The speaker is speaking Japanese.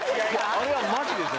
あれはマジです